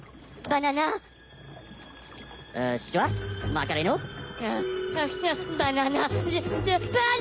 バナナー！